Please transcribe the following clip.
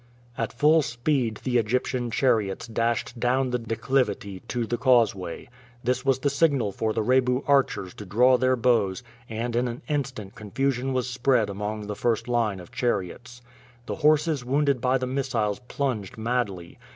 At full speed the Egyptian chariots dashed down the declivity to the causeway. This was the signal for the Rebu archers to draw their bows, and in an instant confusion was spread among the first line of chariots. The horses wounded by the missiles plunged madly.